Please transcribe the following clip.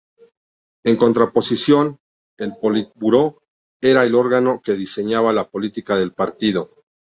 En contraposición, el Politburó era el órgano que diseñaba la política del Partido.